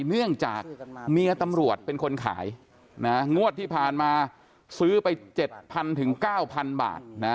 เนื่องจากเมียตำรวจเป็นคนขายงวดที่ผ่านมาซื้อไป๗๐๐ถึง๙๐๐บาท